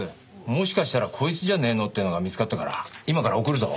もしかしたらこいつじゃねえのってのが見つかったから今から送るぞ。